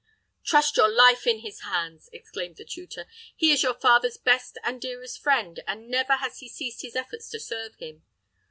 "Trust your life in his hands!" exclaimed the tutor. "He is your father's best and dearest friend, and never has he ceased his efforts to serve him.